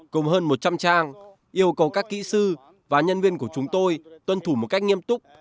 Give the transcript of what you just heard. cùng hơn một trăm linh trang yêu cầu các kỹ sư và nhân viên của chúng tôi tuân thủ một cách nghiêm túc